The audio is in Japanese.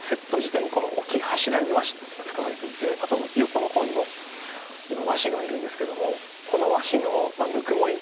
この大きい柱に和紙が使われていてあと横の方にも和紙があるんですけどもこの和紙のぬくもり